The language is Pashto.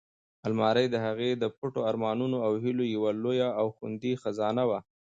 المارۍ د هغې د پټو ارمانونو او هیلو یوه لویه او خوندي خزانه وه.